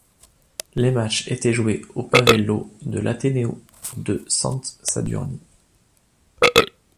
Les matchs étaient joué au Pavelló de l'Ateneu de Sant Sadurní.